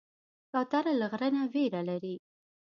کوتره له غره نه ویره لري.